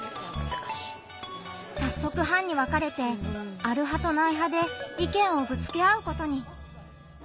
さっそく班に分かれて「ある派」と「ない派」で意見をぶつけ合うことに。